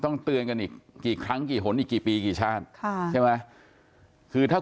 เตือนกันอีกกี่ครั้งกี่หนอีกกี่ปีกี่ชาติค่ะใช่ไหมคือถ้า